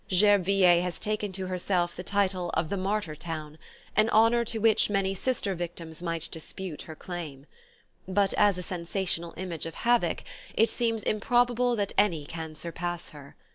Gerbeviller has taken to herself the title of "the martyr town"; an honour to which many sister victims might dispute her claim! But as a sensational image of havoc it seems improbable that any can surpass her.